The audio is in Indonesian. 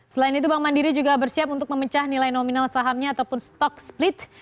selain itu bank mandiri juga bersiap untuk memecah nilai nominal sahamnya ataupun stock split